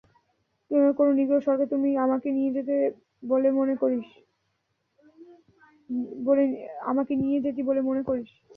কোন নিগ্রো স্বর্গে তুই আমাকে নিয়ে যেতি বলে মনে করিস?